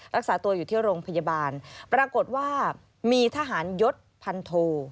รักษาตัวอยู่ที่โรงพยาบาลปรากฏว่ามีทหารยศพันโท